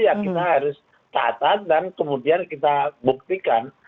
ya kita harus catat dan kemudian kita buktikan